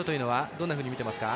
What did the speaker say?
どんなふうに見てますか。